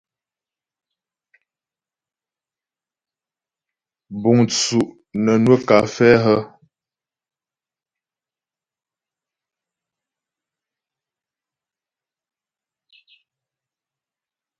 Búŋ tsú' nə́ nwə́ kafɛ́ hə́ ?